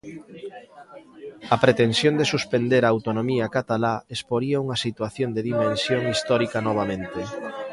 A pretensión de suspender a autonomía catalá exporía unha situación de dimensión histórica novamente.